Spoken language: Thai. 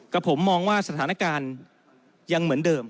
กับผมมองว่าสถานการณ์